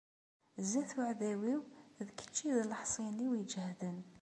Sdat n uɛdaw-iw, d kečč i d leḥṣin-iw iǧehden.